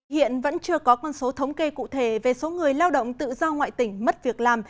hiện vẫn chưa có con số thống kê cụ thể về số người lao động tự do ngoại tỉnh mất việc làm